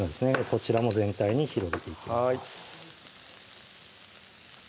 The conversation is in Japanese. こちらも全体に広げていきます